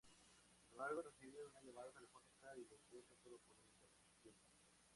Sin embargo, recibe una llamada telefónica y los deja solo por un tiempo.